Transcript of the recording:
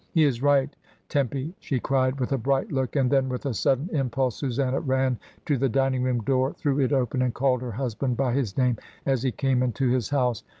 "He is right, Tempy," she cried, with a bright look, and then with a sudden impulse Susanna ran to the dining room door, threw it open, and called her husband by his name as he came into his house.